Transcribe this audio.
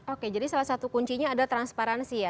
oke jadi salah satu kuncinya adalah transparansi ya